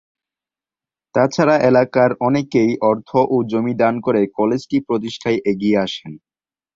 তাছাড়া এলাকার অনেকেই অর্থ ও জমি দান করে কলেজটি প্রতিষ্ঠায় এগিয়ে আসেন।